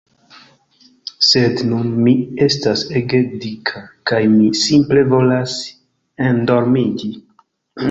Sed nun mi estas ege dika kaj mi simple volas endormiĝi